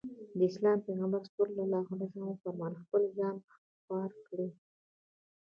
د اسلام پيغمبر ص وفرمايل خپل ځان خوار کړي.